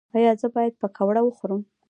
ایا زه باید پکوړه وخورم؟